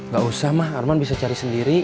gak usah mah arman bisa cari sendiri